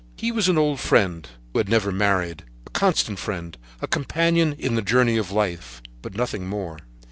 He was a very old friend, who had never married, a constant friend, a companion in the journey of life, but nothing more.